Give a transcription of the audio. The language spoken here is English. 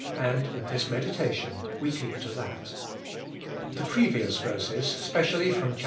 and in this meditation we keep to that. The previous verses, specially from chap.